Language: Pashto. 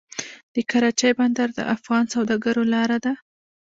د کراچۍ بندر د افغان سوداګرو لاره ده